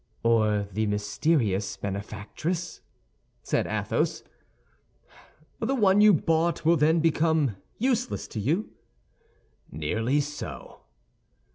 "Or the mysterious benefactress," said Athos. "The one you bought will then become useless to you?" "Nearly so."